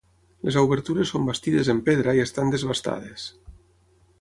Les obertures són bastides en pedra i estan desbastades.